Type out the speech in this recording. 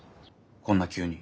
こんな急に。